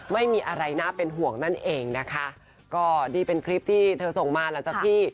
ไม่มีอะไรน่าเป็นห่วงนั่นเองนะคะก็นี่เป็นคลิปที่เธอส่งมาหลังจากที่